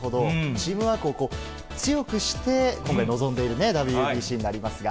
チームワークを強くして、今回望んでいるＷＢＣになりますが。